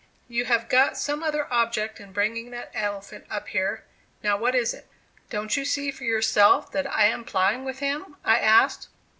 You have got some other object in bringing that elephant up here; now what is it?" "Don't you see for yourself that I am plowing with him?" I asked.